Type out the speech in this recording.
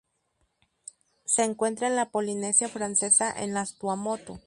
Se encuentra en la Polinesia Francesa en las Tuamotu.